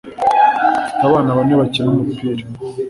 Mfite abana bane bakina umupira